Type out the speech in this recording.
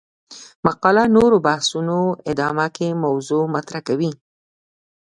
مقاله نورو بحثونو ادامه کې موضوع مطرح کوي.